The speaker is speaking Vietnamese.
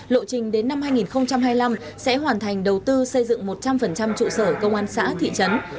lộ trình đến năm hai nghìn hai mươi năm sẽ hoàn thành đầu tư xây dựng một trăm linh trụ sở công an xã thị trấn